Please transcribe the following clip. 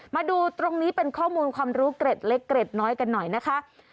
มาดูตรงนี้เป็นข้อมูลความรู้เกร็ดเล็กเกร็ดน้อยกันหน่อยนะคะ